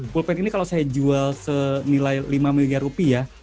pulpen ini kalau saya jual senilai lima miliar rupiah